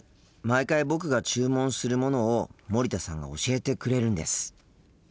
毎回僕が注文するものを森田さんが教えてくれるんです。